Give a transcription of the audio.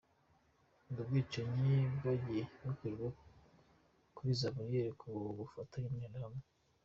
Ubwo bwicanyi bwagiye bukorerwa kuri za bariyeri ku bufatanye n’interahamwe.